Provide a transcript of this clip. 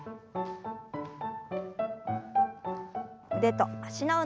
腕と脚の運動です。